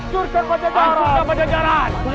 surga pada jarak